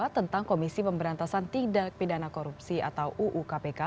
tentang komisi pemberantasan tidak pidana korupsi atau uu kpk